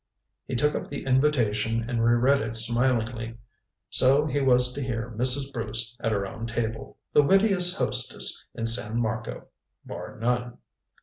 He took up the invitation and reread it smilingly. So he was to hear Mrs. Bruce at her own table the wittiest hostess in San Marco bar none.